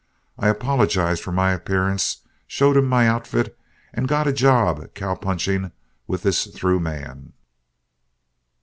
I apologized for my appearance, showed him my outfit, and got a job cow punching with this through man.